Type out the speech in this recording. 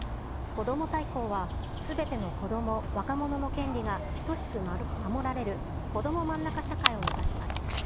こども大綱は、すべての子ども・若者の権利が等しく守られるこどもまんなか社会を目指します。